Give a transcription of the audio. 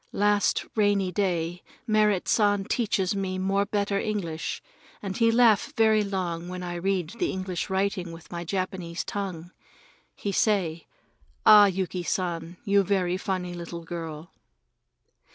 Last rainy day Merrit San teached me more better English, and he laugh very long when I read the English writing with my Japanese tongue. He say: "Ah, Yuki San, you very funny little girl!"